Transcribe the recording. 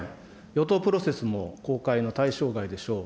与党プロセスも公開の対象外でしょう。